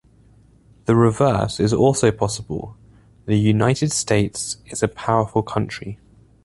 The reverse is also possible: "the United States is a powerful country".